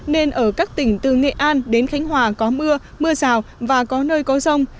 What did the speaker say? nên ở các tỉnh từ nghệ an đến khánh hòa có mưa mưa rào và có nơi có rông